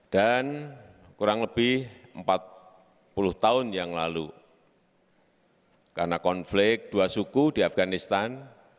dan kurang lebih empat puluh tahun yang lalu karena konflik dua suku di afganistan